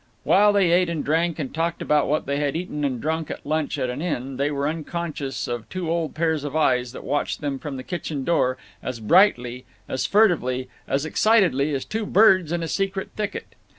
While they ate and drank, and talked about what they had eaten and drunk at lunch at an inn, they were unconscious of two old pairs of eyes that watched them from the kitchen door, as brightly, as furtively, as excitedly as two birds in a secret thicket.